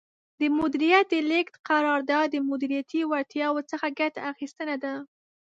د مدیریت د لیږد قرار داد د مدیریتي وړتیاوو څخه ګټه اخیستنه ده.